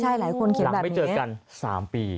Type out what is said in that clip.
ใช่หลายคนคิดแบบนี้เนี่ยหลังไม่เจอกัน๓ปี